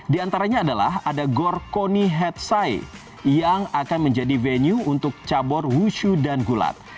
di antaranya adalah ada gor koni hetsai yang akan menjadi venue untuk cabur wushu dan gulat